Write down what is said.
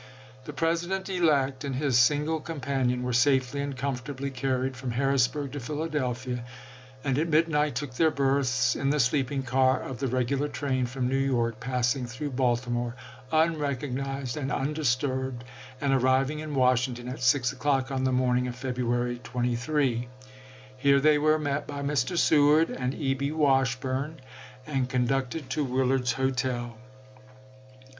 The President elect and his single companion were safely and comfortably carried from Harrisburg to Philadel phia, and at midnight took their berths in the sleeping car of the regular train from New York, passing through Baltimore unrecognized and un disturbed, and arriving in Washington at 6 o'clock on the morning of February 23. Here they were isei. met by Mr. Seward and E. B. Washburne, and conducted to Willard's Hotel.